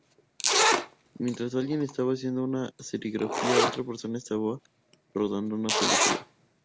Mientras alguien estaba haciendo una serigrafía, otra persona estaba rodando una película.